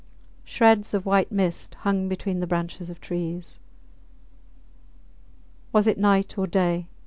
Shreds of white mist hung between the branches of trees. Was it night or day?